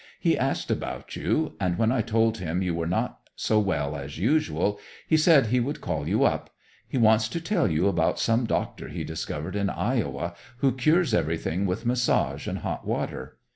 He asked about you, and when I told him you were not so well as usual, he said he would call you up. He wants to tell you about some doctor he discovered in Iowa, who cures everything with massage and hot water.